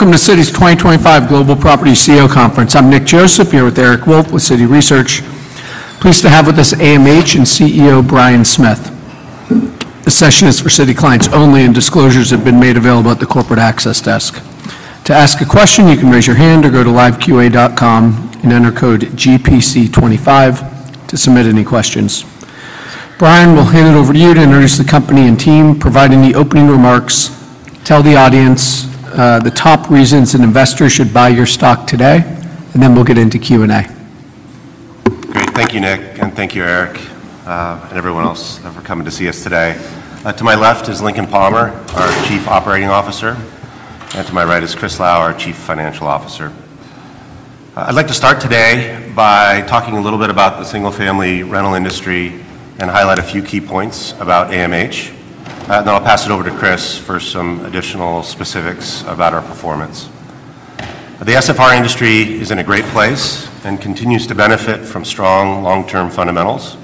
Welcome to Citi's 2025 Global Property CEO Conference. I'm Nick Joseph here with Eric Wolfe with Citi Research. Pleased to have with us AMH and CEO Bryan Smith. The session is for Citi clients only and disclosures have been made available at the corporate access desk. To ask a question, you can raise your hand or go to LiveQA.com and enter code GPC25 to submit any questions. Bryan will hand it over to you to introduce the company and team providing the opening remarks. Tell the audience the top reasons an investor should buy your stock today and then we'll get into Q&A. Thank you Nick and thank you Eric and everyone else for coming to see us today. To my left is Lincoln Palmer, our Chief Operating Officer, and to my right is Chris Lau, our Chief Financial Officer. I'd like to start today by talking a little bit about the single family rental industry and highlight a few key points about AMH, and then I'll pass it over to Chris for some additional specifics about our performance. The SFR industry is in a great place and continues to benefit from strong long-term fundamentals.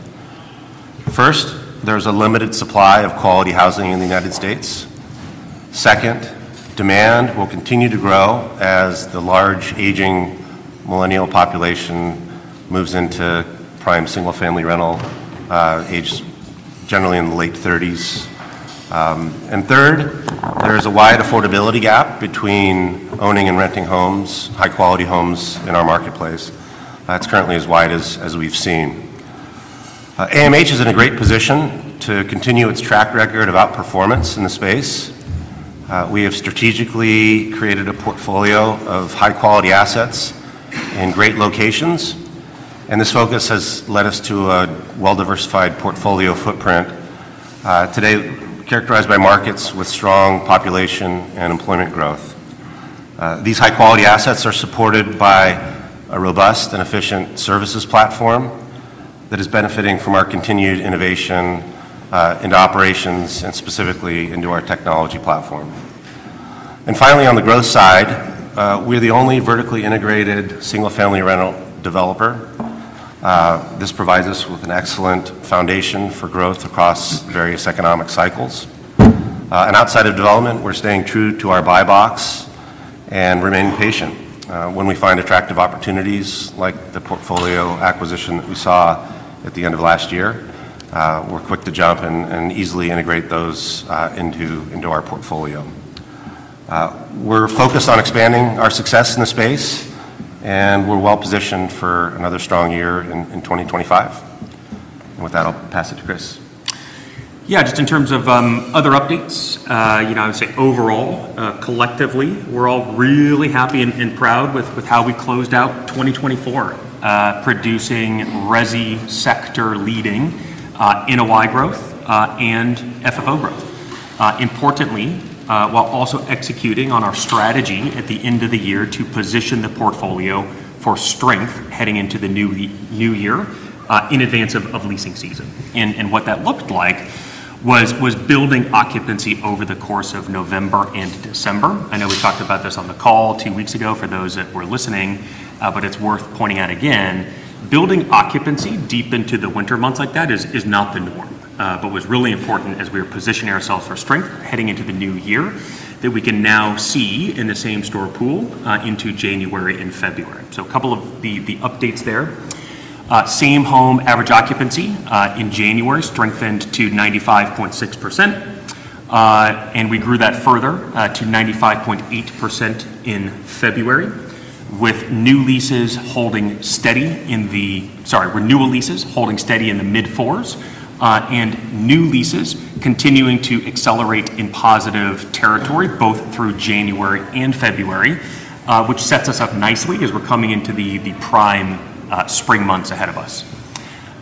First, there's a limited supply of quality housing in the United States. Second, demand will continue to grow as the large aging millennial population moves into prime single family rental housing aged generally in the late 30s, and third, there is a wide affordability gap between owning and renting homes. High quality homes in our marketplace. It's currently as wide as we've seen. AMH is in a great position to continue its track record of outperformance in the space. We have strategically created a portfolio of high quality assets and great locations and this focus has led us to a well diversified portfolio footprint today characterized by markets with strong population and employment growth. These high quality assets are supported by a robust and efficient services platform that is benefiting from our continued innovation into operations and specifically into our technology platform. And finally, on the growth side, we are the only vertically integrated single family rental developer. This provides us with an excellent foundation for growth across various economic cycles and outside of development, we're staying true to our buy box and remain patient when we find attractive opportunities. Like the portfolio acquisition that we saw at the end of last year, we're quick to jump and easily integrate those into our portfolio. We're focused on expanding our success in the space and we're well positioned for another strong year in 2025. With that, I'll pass it to Chris. Yeah, just in terms of other updates, you know, I would say overall, collectively we're all really happy and proud with how we closed out 2024 producing resi sector leading NOI growth and FFO growth importantly while also executing on our strategy at the end of the year to position the portfolio for strength heading into the new year in advance of leasing season and what that looked like was building occupancy over the course of November and December. I know we talked about this on the call two weeks ago for those that were listening, but it's worth pointing out again, building occupancy deep into the winter months like that is not the norm but was really important as we were positioning ourselves for strength heading into the new year that we can now see in the Same-Store pool into January and February. A couple of the updates there. Same-Home average occupancy in January strengthened to 95.6% and we grew that further to 95.8% in February with renewal leases holding steady in the mid fours and new leases continuing to accelerate in positive territory both through January and February, which sets us up nicely as we're coming into the prime spring months ahead of us.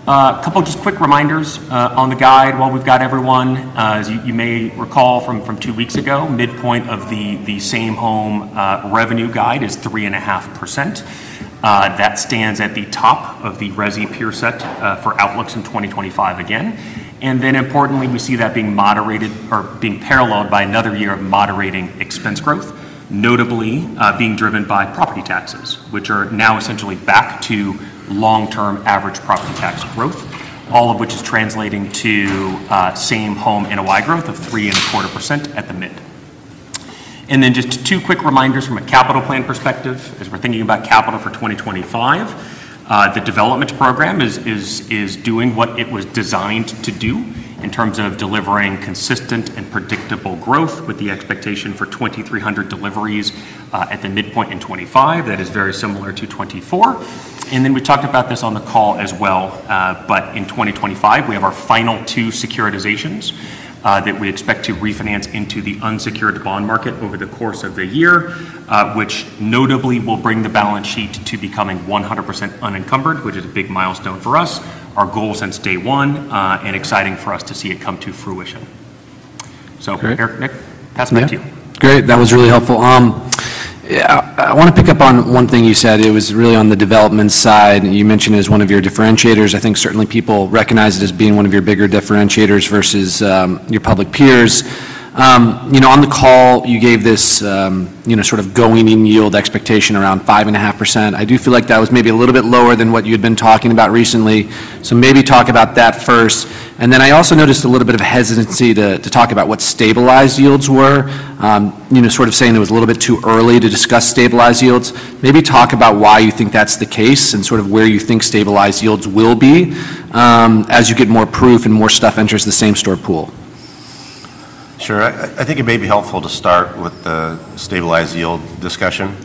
A couple just quick reminders on the guide while we've got everyone. As you may recall from two weeks ago, midpoint of the Same-Home revenue guide is 3.5%. That stands at the top of the resi peer set for outlooks in 2025 again. Importantly, we see that being moderated or being paralleled by another year of moderating expense growth, notably being driven by property taxes which are now essentially back to long-term average property tax growth. All of which is translating to Same-Home NOI growth of 3.25% at the midpoint, and then just two quick reminders from a capital plan perspective. As we're thinking about capital for 2025, the development program is doing what it was designed to do in terms of delivering consistent investment predictable growth with the expectation for 2,300 deliveries at the midpoint in 2025. That is very similar to 2024, and then we talked about this on the call as well. But in 2025 we have our final two securitizations that we expect to refinance into the unsecured bond market over the course of the year, which notably will bring the balance sheet to becoming 100% unencumbered, which is a big milestone for us, our goal since day one and exciting for us to see it come to fruition. So Eric, Nick, pass it back to you. Great, that was really helpful. I want to pick up on one thing you said. It was really on the development side. You mentioned it as one of your differentiators. I think certainly people recognize it as being one of your bigger differentiators versus your public peers. You know, on the call you gave this, you know, sort of going in yield expectation around 5.5%. I do feel like that was maybe a little bit lower than what you had been talking about recently. So maybe talk about that first. And then I also noticed a little bit of hesitancy to talk about what stabilized yields were. You know, sort of saying it was a little bit too early to discuss stabilized yields. Maybe talk about why you think that's the case and sort of where you think stabilized yields will be as you get more proof and more stuff enters the Same-Store pool. Sure. I think it may be helpful to start with the stabilized yield discussion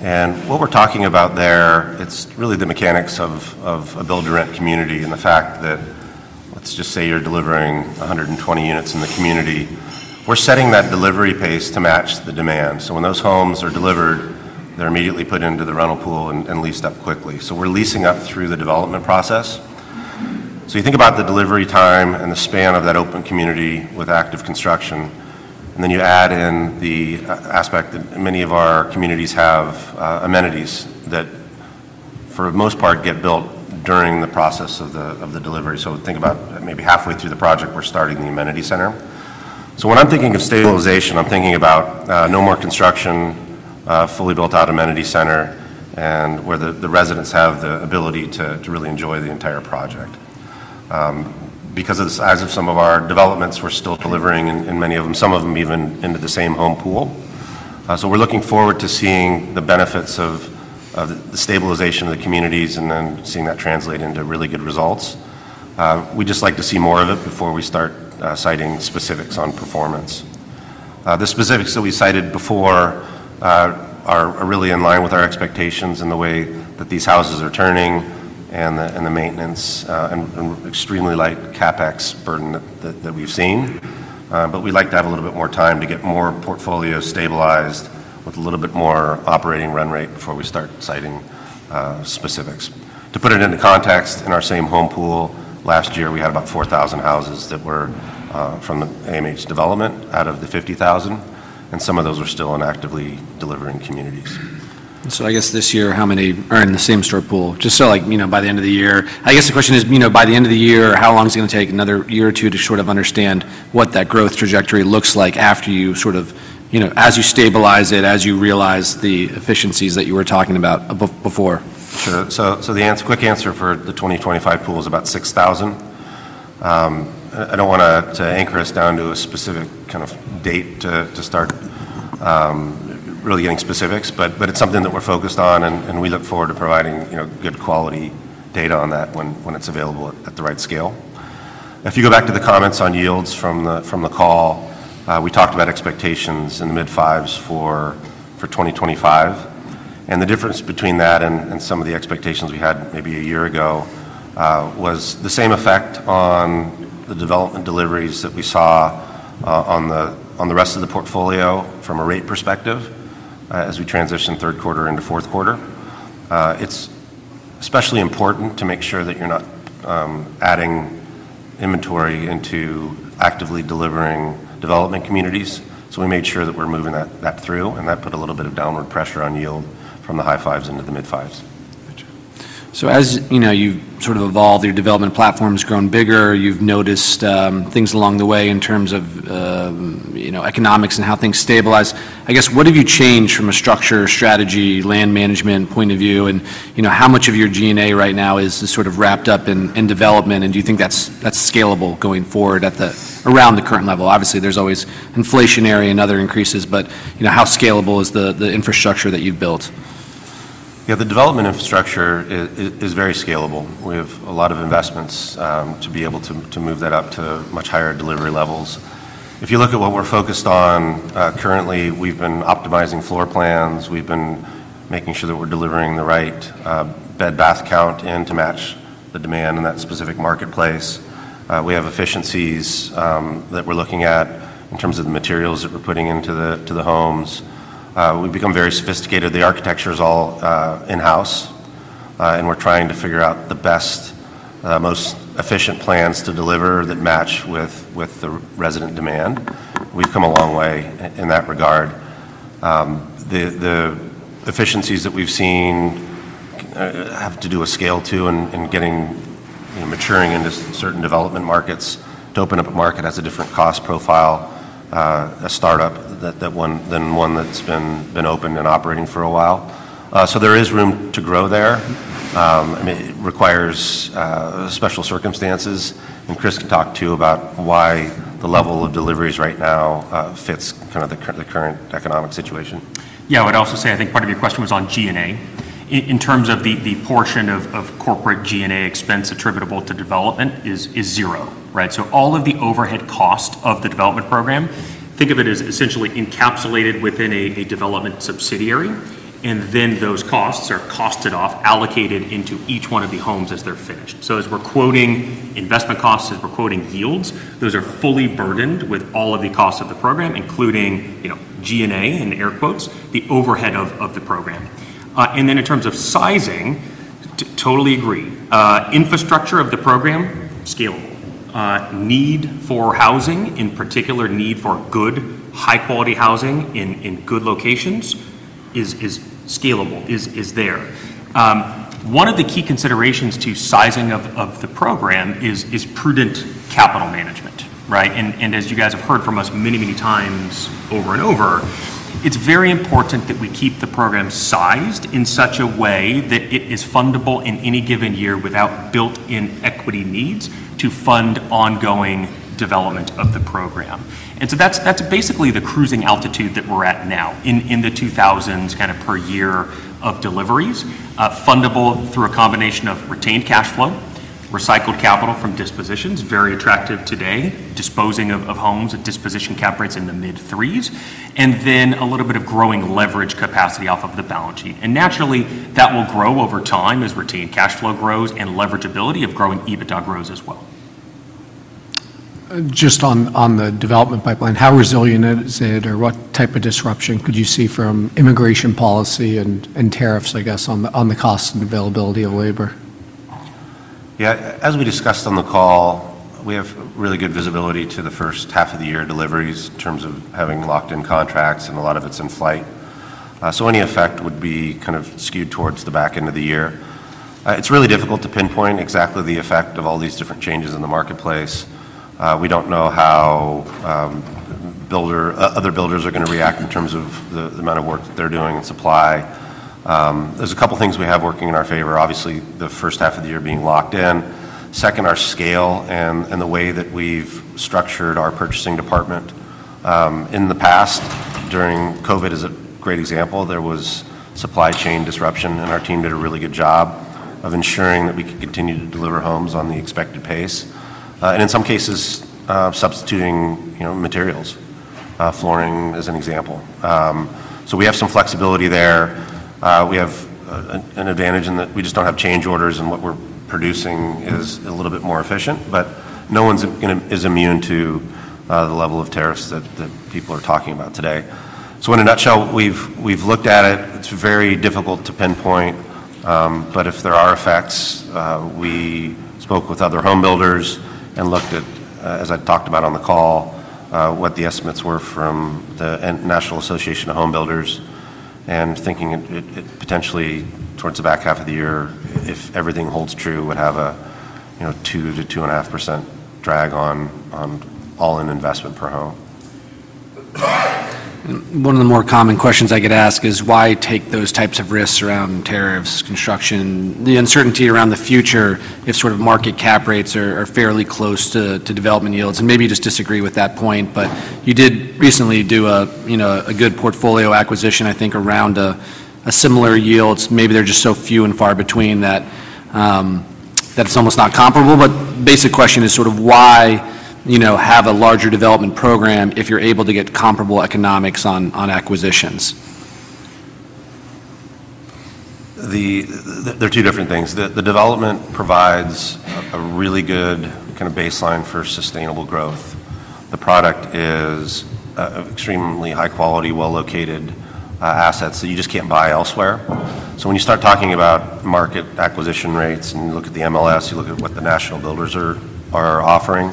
and what we're talking about there. It's really, really the mechanics of a build-to-rent community and the fact that, let's just say you're delivering 120 units in the community. We're setting that delivery pace to match the demand, so when those homes are delivered, they're immediately put into the rental pool and leased up quickly, so we're leasing up through the development process, so you think about the delivery time and the span of that open community with active construction and then you add in the aspect of many of our communities have amenities that for the most part get built during the process of the delivery, so think about maybe halfway through the project we're starting the amenity center. When I'm thinking of stabilization, I'm thinking about no more construction, fully built out amenity center and where the residents have the ability to really enjoy the entire project. Because of the size of some of our developments, we're still delivering and many of them, some of them even into the Same-Home pool. So we're looking forward to seeing the benefits of the stabilization of the communities and then seeing that translate into really good results. We'd just like to see more of it before we start citing specifics on performance. The specifics that we cited before are really in line with our expectations in the way that these houses are turning and the maintenance and extremely light CapEx burden that we've seen. But we'd like to have a little bit more time to get more portfolio stabilized with a little bit more operating run rate before we start citing specifics. To put it into context, in our Same-Home pool last year we had about 4,000 houses that were from the AMH development out of the 50,000, and some of those are still actively delivering communities. So I guess this year, how many are in the Same-Store pool? Just so, like, you know, by the end of the year. I guess the question is, you know, by the end of the year, how long is it going to take another year or two to sort of understand what that growth trajectory looks like after you sort of, you know, as you stabilize it, as you realize the efficiencies that you were talking about before? Sure. The quick answer for the 2025 pool is about 6,000. I don't want to anchor us down to a specific kind of date to start. Really getting specifics, but it's something that we're focused on and we look forward to providing, you know, good quality data on that when that's available at the right scale. If you go back to the comments on yields from the call, we talked about expectations in the mid fives for 2025, and the difference between that and some of the expectations we had maybe a year ago was the same effect on the development deliveries that we saw on the rest of the portfolio from a rate perspective as we transitioned third quarter into fourth quarter. So it's especially important to make sure that you're not adding inventory into actively delivering development communities. So we made sure that we're moving that through and that put a little bit of downward pressure on yield from the high fives into the mid fives. So as you know, you sort of evolve, your development platform's grown bigger. You've noticed things along the way in terms of economics and how things stabilize. I guess what have you changed from a strategic strategy, land management point of view? And you know, how much of your G&A right now is sort of wrapped up in development and do you think that's scalable going forward around the current level? Obviously there's always inflationary and other increases. But you know how scalable is the infrastructure that you've built? Yeah, the development infrastructure is very scalable. We have a lot of investments to be able to move that up to much higher delivery levels. If you look at what we're focused on currently, we've been optimizing floor plans. We've been making sure that we're delivering the right bed bath count and to match the demand in that specific marketplace. We have efficiencies that we're looking at in terms of the materials that we're putting into the homes. We've become very sophisticated. The architecture is all in house and we're trying to figure out the best, most efficient plans to deliver that match with the resident demand. We've come a long way in that regard. The efficiencies that we've seen have to do with scale and getting maturity in certain development markets. To open up a market has a different cost profile of a startup than one that's been opened and operating for a while. So there is room to grow there. It requires special circumstances. And Chris can talk too about why the level of deliveries right now fits kind of the current economic situation. Yeah, I would also say, I think part of your question was on G&A in terms of the portion of corporate G&A expense attributable to development is zero. Right. So all of the overhead cost of the development program, think of it as essentially encapsulated within a development subsidiary. And then those costs are costed off, allocated into each one of the homes as they're finished. So as we're quoting investment costs, as we're quoting yields, those are fully burdened with all of the costs of the program, including you know, G&A in air quotes, the overhead of the program. And then in terms of sizing, totally agree. Infrastructure of the program, scalable need for housing, in particular, need for good high quality housing in good locations is scalable is there. One of the key considerations to sizing of the program is prudent capital management. Right. As you guys have heard from us many, many times over and over, it's very important that we keep the program sized in such a way that it is funded in any given year without built-in equity needs to fund ongoing development of the program. That's basically the cruising altitude that we're at now in the 2,000s kind of per year of deliveries fundable through a combination of retained cash flow, recycled capital from dispositions, very attractive today. Disposing of homes at disposition cap rates in the mid threes and then a little bit of growing leverage capacity off of the balance sheet and naturally that will grow over time as retained cash flow grows and leverageability of growing EBITDA grows as well. Just on the development pipeline, how resilient is it, or what type of disruption could you see from immigration policy and tariffs, I guess, on the cost and availability of labor? Yeah, as we discussed on the call, we have really good visibility to the first half of the year deliveries in terms of having locked in contracts and a lot of it's in flight. So any effect would be kind of skewed towards the back end of the year. It's really difficult to pinpoint exactly the effect of all these different changes in the marketplace. We don't know how. Other builders are going to react in terms of the amount of work that they're doing in supply. There's a couple things we have working in our favor. Obviously the first half of the year being locked in. Second, our scale and the way that we've structured our purchasing department in the past during COVID is a great example. There was supply chain disruption and our team did a really good job of ensuring that we could continue to deliver homes on the expected pace and in some cases substituting, you know, materials flooring as an example. So we have some flexibility there. We have an advantage in that we just don't have change orders. And what we're doing producing is a little bit more efficient. But no one is immune to the level of tariffs that people are talking about today. So in a nutshell, we've looked at it. It's very difficult to pinpoint, but if there are effects, we spoke with other home builders and looked at, as I talked about on the call, what the estimates were from the National Association of Home Builders and thinking potentially towards the back half of the year, if everything holds true, would have a 2%-2.5% drag on all in investment per home. One of the more common questions I get asked is why take those types of risks around tariffs, construction, the uncertainty around the future if sort of market cap rates are fairly close to development yields? And maybe you just disagree with that point, but you did recently do a good portfolio acquisition I think around a similar yield. Maybe they're just so few and far between that it's almost not comparable. But basic question is sort of why have a larger development program if you're able to get comparable economics on acquisitions. They're two different things. The development provides a really good kind of baseline for sustainable growth. The product is extremely high quality, well located assets that you just can't buy elsewhere. So when you start talking about market acquisition rates and you look at the MLS, you look at what the national builders are offering,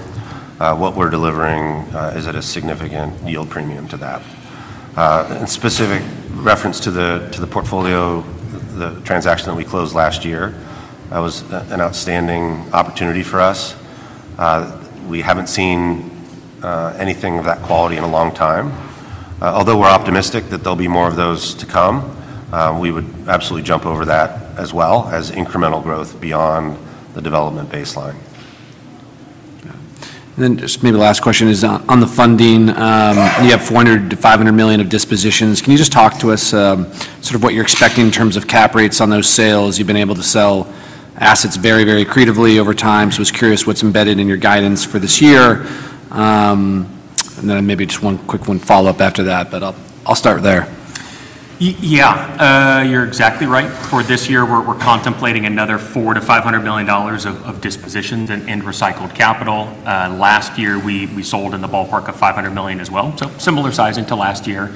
what we're delivering is at a significant yield premium to that. In specific reference to the portfolio, the transaction that we closed last year, that was an outstanding opportunity for us. We haven't seen anything of that quality in a long time. Although we're optimistic that there'll be more of those to come, we would absolutely jump over that as well as incremental growth beyond the development baseline. Then, just maybe the last question is on the funding you have $400 million-$500 million of dispositions. Can you just talk to us sort of what you're expecting in terms of cap rates on those sales? You've been able to sell assets very, very accretively over time, so I was curious what's embedded in your guidance for this year. Then maybe just one quick follow-up after that, but I'll start there. Yeah, you're exactly right. For this year we're contemplating another $400 million-$500 million of dispositions and recycled capital. Last year we sold in the ballpark of $500 million as well, so similar sizing to last year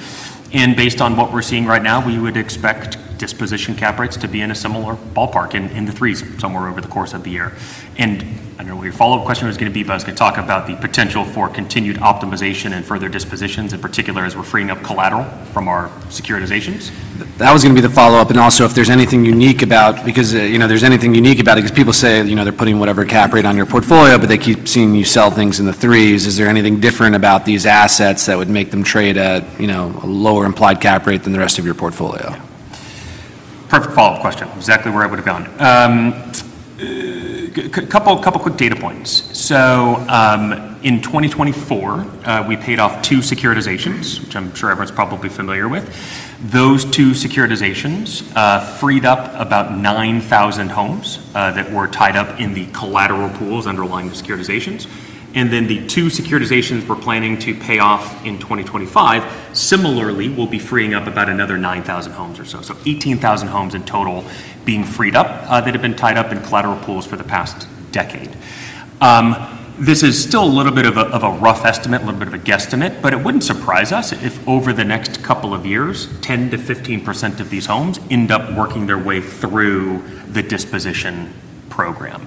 and based on what we're seeing right now, we would expect disposition cap rates to be in a similar ballpark in the threes somewhere over the course of the year. And I don't know where your follow-up question was going to be, but I was going to talk about the potential for continued optimization and further dispositions in particular as we're freeing up collateral from our securitizations. That was going to be the follow-up. And also if there's anything unique about it because, you know, people say, you know, they're putting whatever cap rate on your portfolio, but they keep seeing you sell things in the third. Is there anything different about these assets that would make them trade at, you know, lower implied cap rate than the rest of your portfolio? Perfect follow-up question. Exactly where I would have gone. A couple quick data points. So in 2024 we paid off two securitizations, which I'm sure everyone's probably familiar with. Those two securitizations freed up about 9,000 homes that were tied up in the collateral pools underlying the securitizations. And then the two securitizations we're planning to pay off in 2025. Similarly, we'll be freeing up about another 9,000 homes or so. So 18,000 homes in total being freed up that have been tied up in collateral pools for the past decade. This is still a little bit of a rough estimate, a little bit of a guesstimate, but it wouldn't surprise us if over the next couple of years, 10%-15% of these homes end up working their way through the disposition program.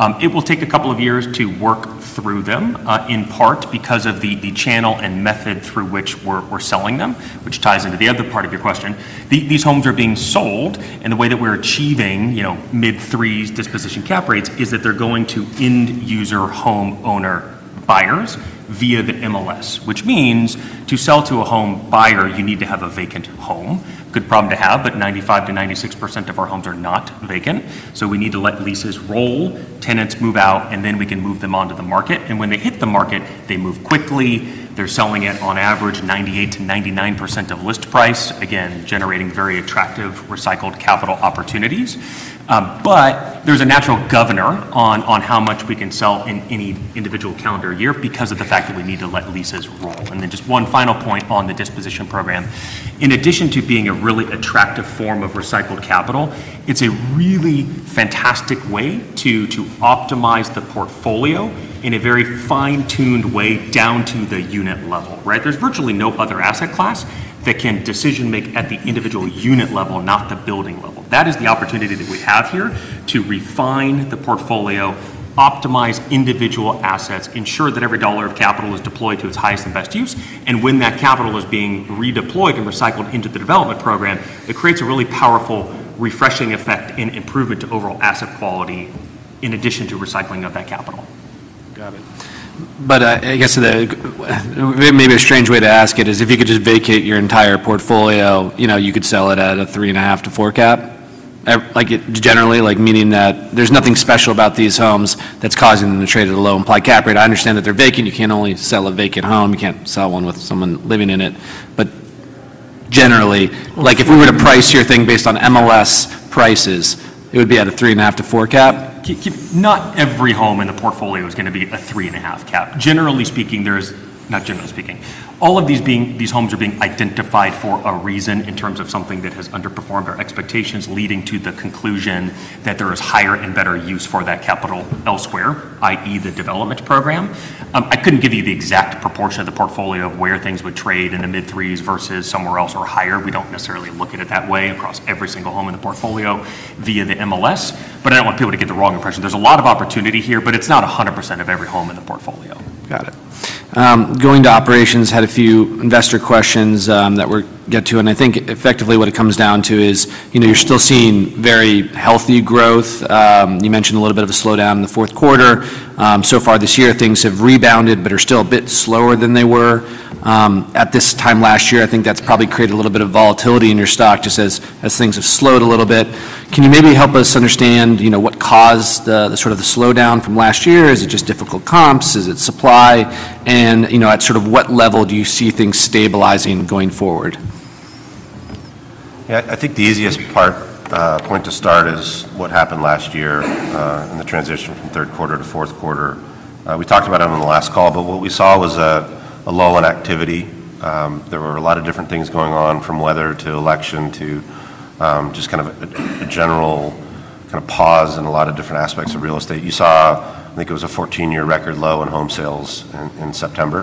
It will take a couple of years to work through them. In part because of the channel and method through which we're selling them, which ties into the other part of your question. These homes are being sold and the way that we're achieving, you know, mid-three disposition cap rates is that they're going to end user home owner buyers via the MLS. Which means to sell to a home buyer, you need to have a vacant home. Good problem to have. But 95%-96% of our homes are not vacant. So we need to let leases roll, tenants move out and then we can move them onto the market. And when they hit the market, they move quickly. They're selling it on average 98%-99% of list price. Again generating very attractive recycled capital opportunities. But there's a natural governor on how much we can sell in any individual calendar year because of the fact that we need to let leases roll. And then just one final point on the disposition program. In addition to being a really attractive form of recycled capital, it's a really fantastic way to optimize the portfolio in a very fine-tuned way down to the unit level. Right. There's virtually no other asset class that can make decisions at the individual unit level, not the building level. That is the opportunity that we have here to really refine the portfolio, optimize individual assets, ensure that every dollar of capital is deployed to its highest and best use. And when that capital is being redeployed and recycled into the development program, it creates a really powerful refreshing effect in improvement to overall asset quality in addition to recycling of that capital. Got it. But I guess maybe a strange way to ask it is if you could just vacate your entire portfolio, you could sell it at a 3.5-4 cap like it generally like, meaning that there's nothing special about these homes that's causing them to trade at a low implied cap rate. I understand that they're vacant. You can't only sell a vacant home, you can't sell one with someone living in it. But generally like if we were to price your thing based on MLS prices, it would be at a 3.5-4 cap. Not every home in the portfolio is going to be a 3.5 cap. Generally speaking there's not. Generally speaking, all of these being these homes are being identified for a reason in terms of something that has underperformed our expectations, leading to the conclusion that there is higher and better use for that capital elsewhere. That is the development program. I couldn't give you the exact proportion of the portfolio of where things would trade in the mid threes versus somewhere else or higher. We don't necessarily look at it that way across every single home in the portfolio via the MLS. But I don't want people to get the wrong impression. There's a lot of opportunity here, but it's not 100% of every home in the portfolio. Got it, going to operations. Had a few investor questions that we'll get to and I think effectively what it comes down to is, you know, you're still seeing very healthy growth. You mentioned a little bit of a slowdown in the fourth quarter. So far this year things have rebounded, but are still a bit slower than they were at this time last year. I think that's probably created a little bit of volatility in your stock just as things have slowed a little bit. Can you maybe help us understand, you know, what caused the sort of slowdown from last year? Is it just difficult comps? Is it supply and you know, at sort of what level do you see things stabilizing going forward? Yeah, I think the easiest starting point to start is what happened last year in the transition from third quarter to fourth quarter. We talked about it on the last call, but what we saw was a lull in activity. There were a lot of different things going on from weather to election to just kind of a general kind of pause in a lot of different aspects of real estate. You saw, I think it was a 14-year record low in home sales in September.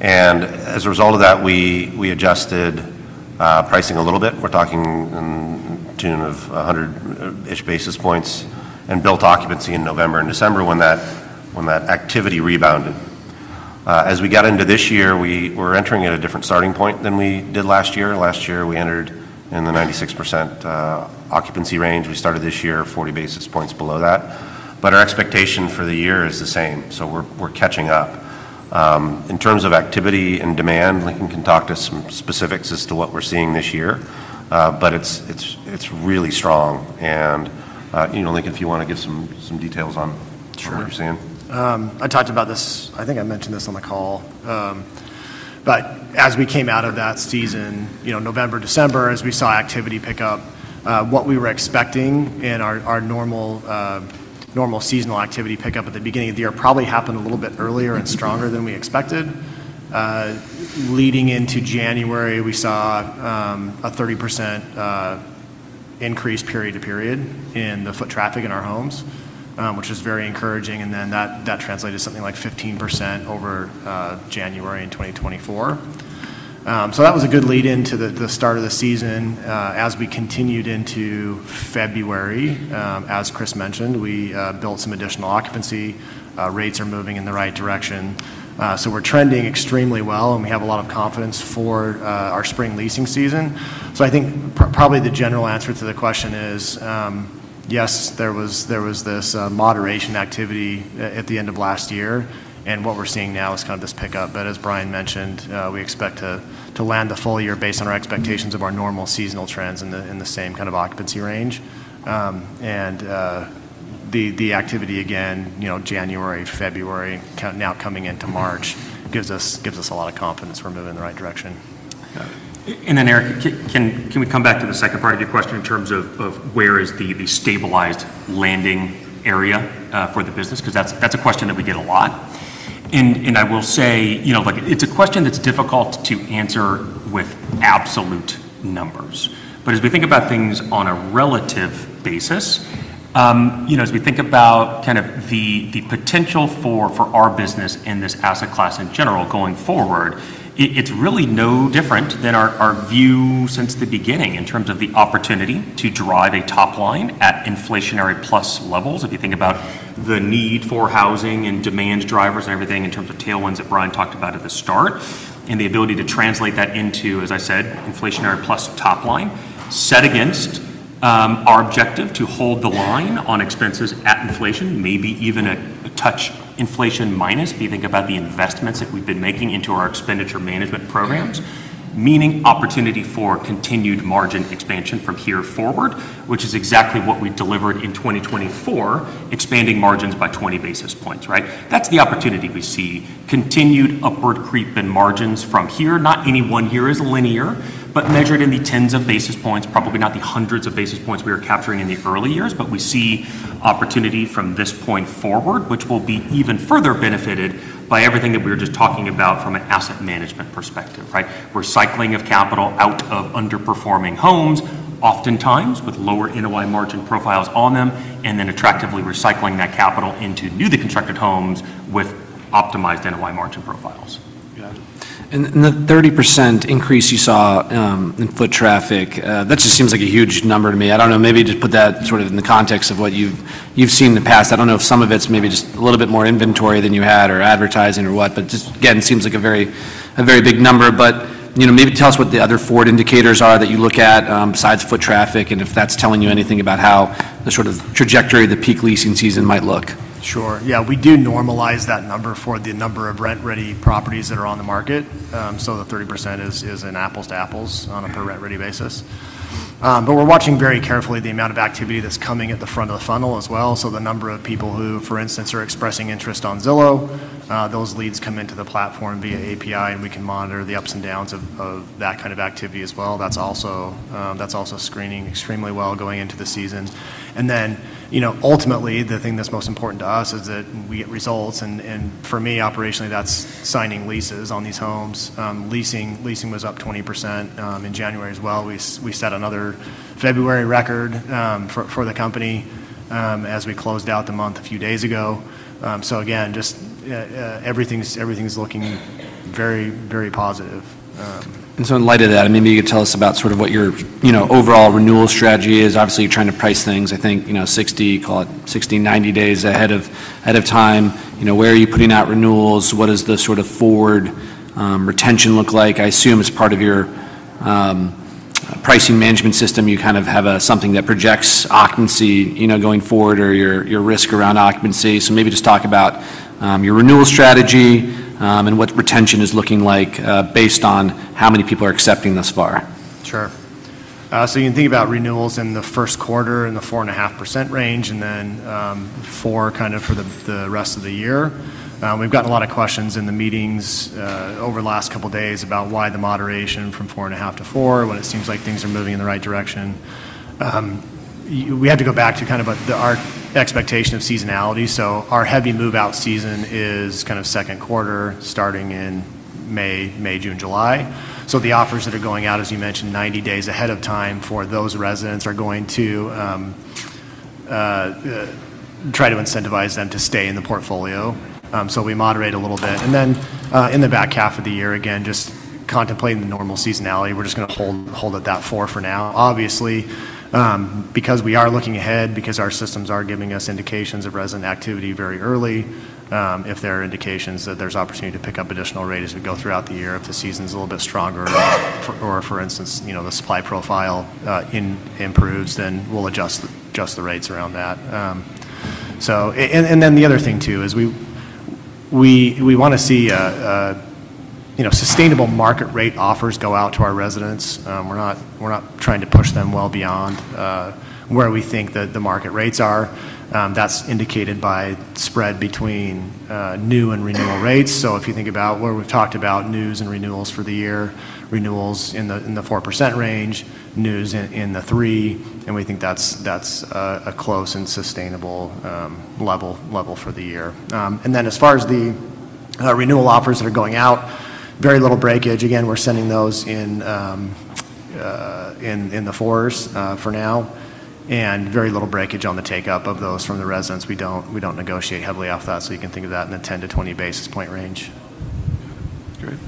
And as a result of that, we adjusted pricing a little bit. We're talking in the tune of 100-ish basis points and built occupancy in November and December. When that activity rebounded as we got into this year, we were entering at a different starting point than we did last year. Last year we entered in the 96% occupancy range. We started this year 40 basis points below that, but our expectation for the year is the same, so we're catching up in terms of activity and demand. Lincoln can talk to some specifics as to what we're seeing this year, but it's really strong, and Lincoln, if you want to give some details on what you're seeing. I talked about this, I think I mentioned this on the call. But as we came out of that season, you know, November, December, as we saw activity pick up what we were expecting in our normal seasonal activity pickup at the beginning of the year probably happened a little bit earlier and stronger than we expected. Leading into January, we saw a 30% increase period to period in the foot traffic in our homes, which is very encouraging. And then that translated something like 15% over January in 2024. So that was a good lead into the start of the season. As we continued into February, as Chris mentioned, we built some additional occupancy rates are moving in the right direction. So we're trending extremely well, and we have a lot of confidence for our spring leasing season. So I think probably the general answer to the question is yes, there was this moderation activity at the end of last year. And what we're seeing now is kind of this pickup. But as Bryan mentioned, we expect to land the full year based on our expectations of our normal seasonal trends in the same kind of occupancy range. The activity again, January, February, now coming into March, gives us a lot, a lot of confidence we're moving in the right direction. And then, Eric, can we come back to the second part of your question in terms of where is the stabilized landing area for the business? Because that's a question that we get a lot. And I will say, you know, it's a question that's difficult to answer with absolute numbers, but as we think about things on a relative basis, you know, as we think about kind of the potential for our business in this asset class in general going forward, it's really no different than our view since the beginning in terms of the opportunity to drive a top line at inflationary plus levels. If you think about the need for housing and demand drivers and everything in terms of tailwinds that Bryan talked about at the start and the ability to translate that into, as I said, inflationary plus top line set against our objective to hold, hold the line on expenses at inflation, maybe even a touch inflation minus. If you think about the investments that we've been making into our expenditure management programs, meaning opportunity for continued margin expansion from here forward, which is exactly what we delivered in 2024. Expanding margins by 20 basis points. Right. That's the opportunity. We see continued upward creep in margins from here. Not anyone here is linear. But measured in the tens of basis points, probably not the hundreds of basis points we were capturing in the early years, but we see opportunity from this point forward, which will be even further benefited by everything that we were just talking about from an asset management perspective. Right? Recycling of capital out of underperforming homes, oftentimes with lower NOI margin profiles on them, and then attractively recycling that capital into newly constructed homes with optimized NOI margin profile profiles. And the 30% increase you saw in foot traffic. That just seems like a huge number to me. I don't know, maybe just put that sort of in the context of what you. You've seen in the past. I don't know if some of it's maybe just a little bit more inventory than you had or advertising or what. But just again, seems like a very, a very big number. But, you know, maybe tell us what the other forward indicators are that you look at besides foot traffic. And if that's telling you anything about how the sort of trajectory of the peak leasing season might. Sure, yeah. We do normalize that number for the number of rent ready properties that are on the market. So the 30% is in apples to apples on a per rent ready basis. But we're watching very carefully the amount of activity that's coming at the front of the funnel as well. So the number of people who for instance, are expressing interest on Zillow, those leads come into the platform via API and we can monitor the ups and downs of that kind of activity as well. That's also screening extremely well going into the season. And then, you know, ultimately the thing that's most important to us is that we get results. And for me, operationally that's signing leases on these homes. Leasing was up 20% in January as well. We set another February record for the company as we closed out the month a few days ago. Again, just everything's looking very, very positive. And so in light of that, maybe you could tell us about sort of what your overall renewal strategy is. Obviously trying to price things, I think 60, call it 60, 90 days ahead of time. Where are you putting out renewals? What does the sort of forward retention look like? I assume as part of your. Pricing management system. You kind of have something that projects occupancy going forward or your risk around occupancy. So maybe just talk about your renewal strategy and what retention is looking like based on how many people are accepting thus far. Sure. So you can think about renewals in the first quarter in the 4.5% range and then 4% kind of for the rest of the year. We've gotten a lot of questions in the meetings over the last couple days about why the moderation from 4.5%-4% when it seems like things are moving in the right direction. We had to go back to kind of our expectation of seasonality so our heavy move out season is kind of second quarter starting in May, June, July so the offers that are going out, as you mentioned, 90 days ahead of time for those residents are going to. Try to incentivize them to stay in the portfolio. So we moderate a little bit and then in the back half of the year, again, just contemplating the normal seasonality, we're just going to hold it flat for now obviously because we are looking ahead because our systems are giving us indications of resident activity very early. If there are indications that there's opportunity to pick up additional rate as we go throughout the year, if the season's a little bit stronger or for instance, you know, the supply profile improves, then we'll adjust the rates around that. So and then the other thing too is we want to see, you know, sustainable market rate offers go out to our residents. We're not trying to push them well beyond where we think that the market rates are. That's indicated by spread between new and renewal rates. So if you think about where we've talked about news and renewals for the year, renewals in the 4% range, news in the 3% and we think that's a close and sustainable level for the year. And then as far as the renewal offers that are going out, very little breakage. Again we're sending those in. In the fours for now and very little breakage on the take up of those from the residents. We don't negotiate heavily off that. So you can think of that in the 10-20 basis points range. Great.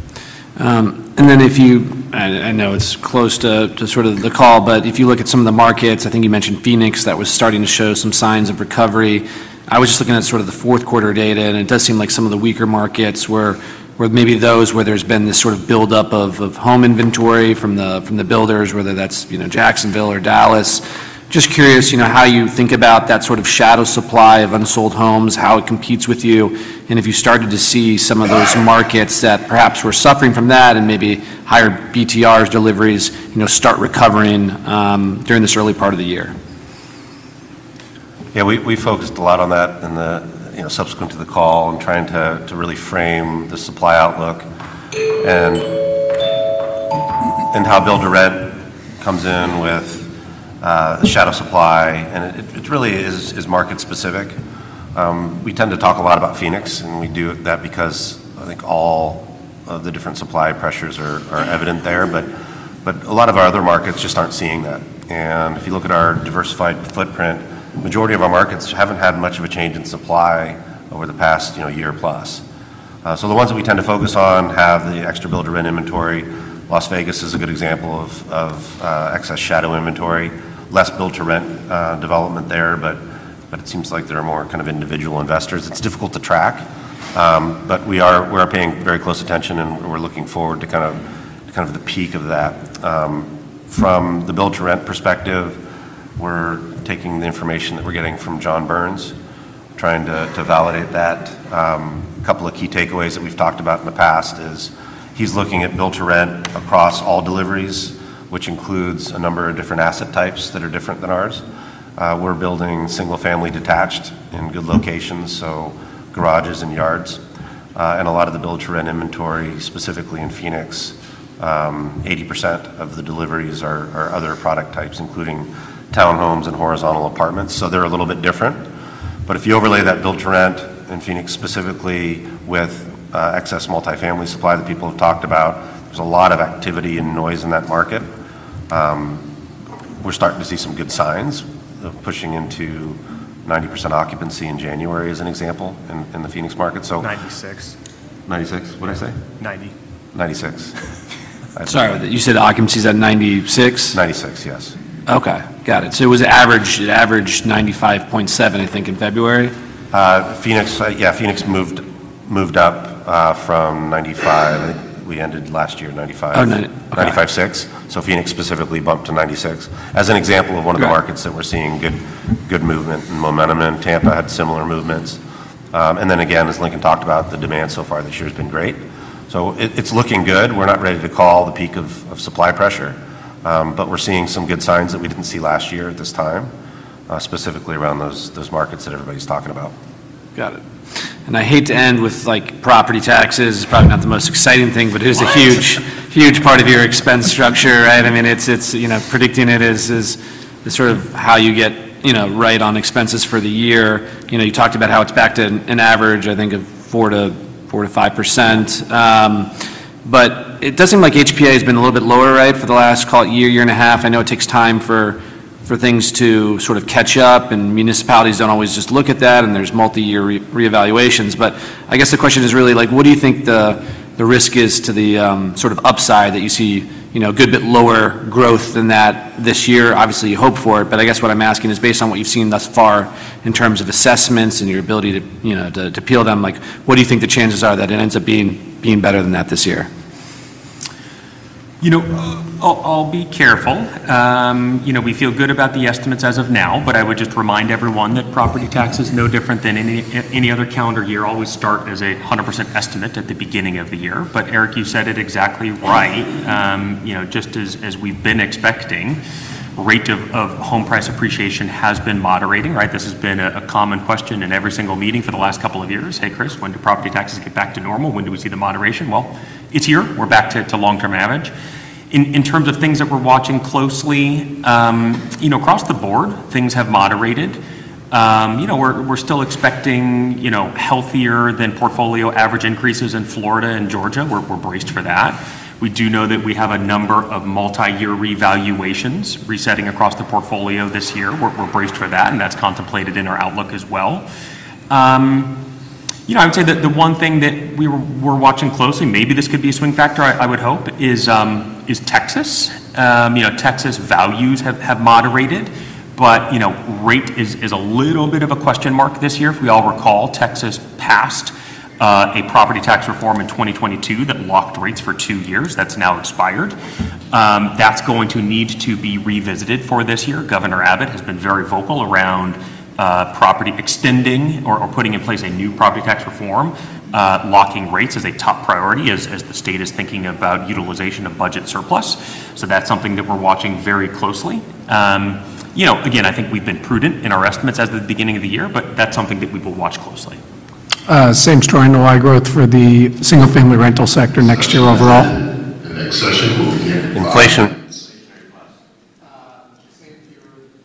And then if you, I know it's close to sort of the call, but if you look at some of the markets I think you mentioned Phoenix, that was starting to show some signs of recovery. I was just looking at sort of the fourth quarter data and it does seem like some of the weaker markets were maybe those where there's been this sort of buildup of home inventory from the builders, whether that's, you know, Jacksonville or Dallas. Just curious, you know, how you think about that sort of shadow supply of unsold homes, how it competes with you and if you started to see some of those markets that perhaps were suffering from that and maybe higher BTR's deliveries start recovering during this early part of the year. Yeah, we focused a lot on that in the subsequent to the call and trying to really frame the supply outlook and. How build-to-rent comes in with shadow supply and it really is market specific. We tend to talk a lot about Phoenix and we do it the way that because I think all of the different supply pressures are evident there but a lot of our other markets just aren't seeing that. If you look at our diversified footprint, majority of our markets haven't had much of a change in supply over the past year-plus so the ones that we tend to focus on have the extra build-to-rent inventory. Las Vegas is a good example of excess shadow inventory, less build-to-rent development there. But it seems like there are more kind of individual investors. It's difficult to track, but we are, we are paying very close attention and we're looking forward to kind of, kind of the peak of that from the build-to-rent perspective. We're taking the information that we're getting from John Burns, trying to validate that. A couple of key takeaways that we've talked about in the past is he's looking at build-to-rent across all deliveries, which include a number of different asset types that are different than ours. We're building single family detached in good locations, so garages and yards, and a lot of the build-to-rent inventory, specifically in Phoenix, 80% of the deliveries are other product types, including townhomes and horizontal apartments, so they're a little bit different. But if you overlay that build-to-rent in Phoenix specifically with excess multifamily supply, the people that talked about, there's a lot of activity and noise in that market. We're starting to see some good signs of pushing into 90% occupancy in January, as an example, in the Phoenix market. So, 96%. 96%. What? I say 90%. 96%. Sorry, you said occupancy's at 96%. 96%. Yes. Okay, got it. So it was average. It averaged 95.7%, I think in February. In Phoenix moved up from 95.6%. We ended last year 95.6%. So Phoenix specifically bumped to 96%. As an example of one of the markets that we're seeing good movement and momentum in, Tampa had similar movements. And then again, as Lincoln talked about, the demand so far this year has been great. So it's looking good. We're not ready to call the peak of supply pressure, but we're seeing some good signs that we didn't see last year at this time specifically around those markets that everybody's talking about. Got it. I hate to end with like property taxes. It's probably not the most exciting thing, but it is a huge, huge part of your expense structure. Right. I mean, it's you know, predicting it is sort of how you get, you know, right on expenses for the year. You know, you talked about how it's back to an average, I think of 4%-5%. But it does seem like HPA has been a little bit lower. Right. For the last calendar year, year and a half. I know it takes time for things to sort of catch up and municipalities don't always just look at that. And there's multi-year reevaluations. But I guess the question is really like what do you think the risk is to the sort of upside that you see, you know, a good bit lower growth than that this year. Obviously you hope for it. But I guess what I'm asking is based on what you've seen thus far in terms of assessments and your ability to, you know, to appeal them, like what do you think the chances are that it ends up being better than that this year? You know, I'll be careful. You know, we feel good about the estimates as of now, but I would just remind everyone that property tax is no different than any other calendar year. Always start as a 100% estimate at the beginning of the year. But Eric, you said it exactly right. You know, just as we've been expecting, rate of home price appreciation has been moderating. Right. This has been a common question in every single meeting for the last couple of years. Hey Chris, when do property taxes get back to normal? When do we see the moderation? Well, it's here. We're back to long-term average in terms of things that we're watching closely. You know, across the board things have moderated. You know, we're still expecting, you know, healthier than portfolio average increases in Florida and Georgia. We're braced for that. We do know that we have a number of multi-year revaluations resetting across the portfolio this year. We're braced for that and that's contemplated in our outlook as well. You know, I would say that the one thing that we're watching closely, maybe this could be a swing factor I would hope is Texas. You know, Texas values have moderated but you know, rate is a little bit of a question mark this year. If we all recall, Texas passed a property tax reform in 2022 that locked rates for two years. That's now expired. That's going to need to be revisited for this year. Governor Abbott has been very vocal around property extending or putting in place a new property tax reform, locking rates as a top priority as the state is thinking about utilization of budget surplus. So that's something that we're watching very closely. You know, again, I think we've been prudent in our estimates as the beginning of the year, but that's something that we will watch closely. Same story. No NOI growth for the single-family rental sector next year. Overall, the next session will be inflationary buzz.